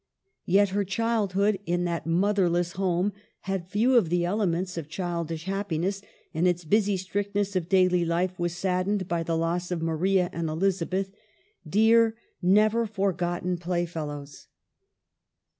Yet her childhood in that motherless home had few of the elements of childish happiness, and its busy strictness of daily life was saddened by the loss of Maria and Elizabeth, dear, never forgotten playfellows.